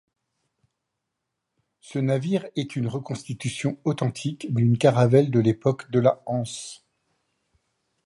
Ce navire est une reconstitution authentique d'une caravelle de l'époque de la Hanse.